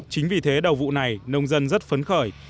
chính vì thế đầu vụ này nông dân rất phấn khởi